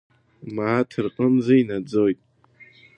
Мааҭ рҟынӡа инаӡоит.